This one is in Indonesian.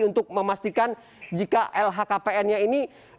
untuk memastikan jika lhkpn nya ini